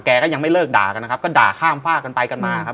ก็ยังไม่เลิกด่ากันนะครับก็ด่าข้ามฝากกันไปกันมาครับ